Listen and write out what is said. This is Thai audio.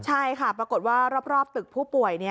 ใช่ค่ะปรากฏว่ารอบตึกผู้ป่วย